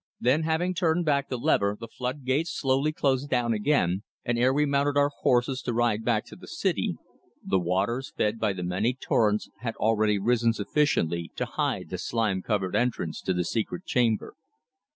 Then, having turned back the lever, the flood gates slowly closed down again, and, ere we mounted our horses to ride back to the city, the waters, fed by the many torrents, had already risen sufficiently to hide the slime covered entrance to the secret chamber.